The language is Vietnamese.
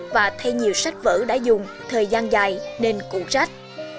và thay nhiều sách vở đã dùng thời gian dài nên cụ trách